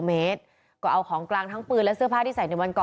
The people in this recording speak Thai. เมตรก็เอาของกลางทั้งปืนและเสื้อผ้าที่ใส่ในวันก